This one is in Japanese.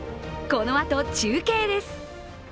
このあと中継です。